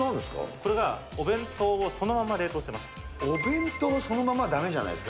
これはお弁当をそのまま冷凍してます。